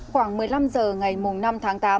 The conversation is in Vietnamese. khoảng một mươi năm giờ ngày năm tháng tám